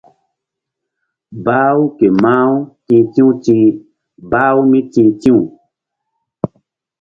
Bah-u ke mah-u ti̧h ti̧w ti̧h bah-u míti̧h ti̧w.